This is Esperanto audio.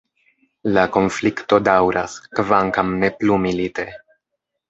La konflikto daŭras, kvankam ne plu milite.